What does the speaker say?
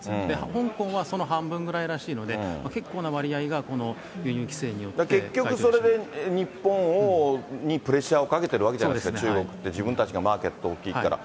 香港はその半分ぐらいらしいので、結構な割合が、結局、それで日本にプレッシャーをかけてるわけじゃないですか、中国って、自分たちがマーケット大きいから。